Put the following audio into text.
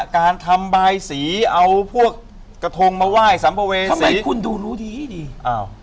การทำบายสีเอาพวกกระทงมาไหว้สัมภเวงทำไมคุณดูรู้ดีดีอ้าว